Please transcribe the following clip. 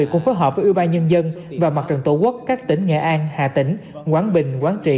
cục phối hợp với ưu ba nhân dân và mặt trận tổ quốc các tỉnh nghệ an hà tĩnh quảng bình quảng trị